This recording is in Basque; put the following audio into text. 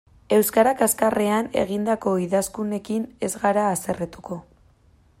Euskara kaxkarrean egindako idazkunekin ez gara haserretuko.